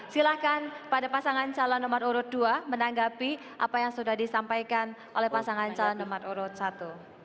silahkan pada pasangan salah nama lurut dua menanggapi apa yang sudah disampaikan oleh pasangan salah nama lurut satu